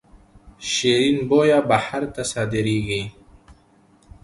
شیرین بویه بهر ته صادریږي